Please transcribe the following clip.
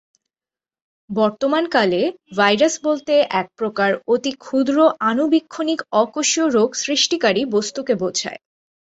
বর্তমান কালে ভাইরাস বলতে এক প্রকার অতি ক্ষুদ্র আণুবীক্ষণিক অকোষীয় রোগ সৃষ্টিকারী বস্তুকে বোঝায়।